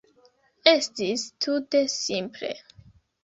Estis tute simple.